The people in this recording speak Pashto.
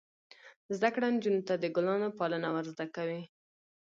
زده کړه نجونو ته د ګلانو پالنه ور زده کوي.